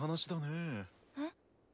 えっ？